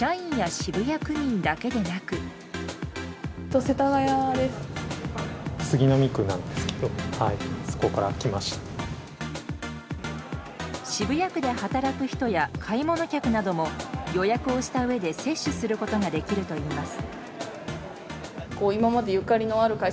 渋谷区で働く人や買い物客なども予約をしたうえで接種することができるといいます。